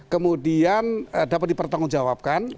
kemudian dapat dipertanggungjawabkan